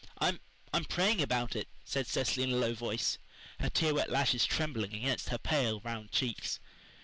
"I'm I'm praying about it," said Cecily in a low voice, her tear wet lashes trembling against her pale, round cheeks.